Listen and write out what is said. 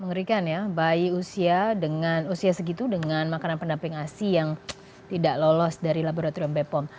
mengerikan ya bayi usia dengan usia segitu dengan makanan pendamping asi yang tidak lolos dari laboratorium bepom